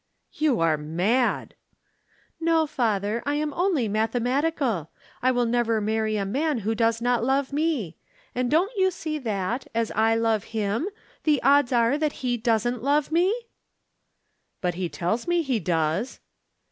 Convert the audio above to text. "You are mad!" "No, father. I am only mathematical. I will never marry a man who does not love me. And don't you see that, as I love him, the odds are that he doesn't love me?" "But he tells me he does!"